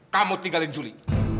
kamu tinggalin juli